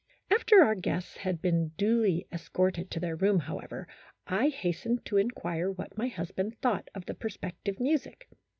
After our guests had been duly escorted to their room, however, I hastened to inquire what my hus band thought of the prospective music.